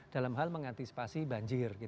dalam hal mengantisipasi banjir